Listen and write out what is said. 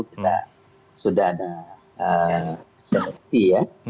kita sudah ada seleksi ya